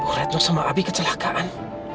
bu retno sama abi kecelakaan